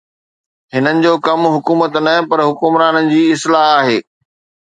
هنن جو ڪم حڪومت نه پر حڪمرانن جي اصلاح آهي